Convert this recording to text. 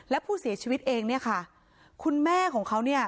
และผู้เสียชีวิตเองเนี่ยค่ะคุณแม่ของเขาเนี่ย